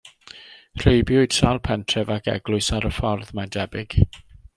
Rheibiwyd sawl pentref ac eglwys ar y ffordd, mae'n debyg.